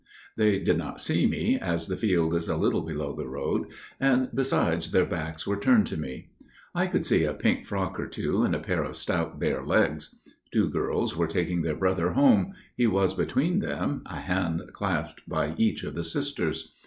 They did not see me, as the field is a little below the road, and besides their backs were turned to me. I could see a pink frock or two, and a pair of stout bare legs. Two girls were taking their brother home––he was between them, a hand clasped by each of the sisters.